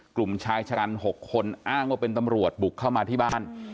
กลุ่มชายชะกัน๖คนอ้างว่าเป็นตำรวจบุกเข้ามาที่บ้าน